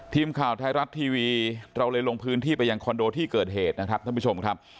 ทีมข่าวไทยรัฐทีวีเราเลยลงพื้นที่ไปยังคอนโดที่เกิดเหตุนะครับท่านผู้ชมครับ